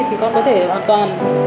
thì con có thể hoàn toàn